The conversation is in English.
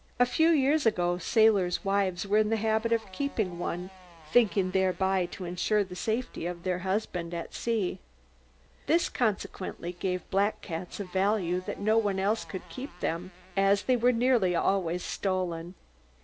A few years ago, sailors' wives were in the habit of keeping one, thinking thereby to ensure the safety of their husbands at sea. This, consequently, gave black cats such a value that no one else could keep them, as they were nearly always stolen.